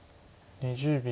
２０秒。